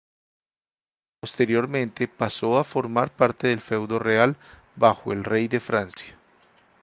Posteriormente, pasó a formar parte del feudo real, bajo el rey de Francia.